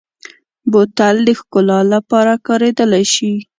بوتل د ښکلا لپاره کارېدلی شي.